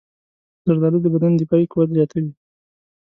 زردالو د بدن دفاعي قوت زیاتوي.